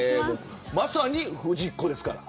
まさにフジっ子ですから。